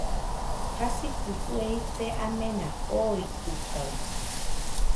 Jasikɨ fue ite amena oitɨkaɨ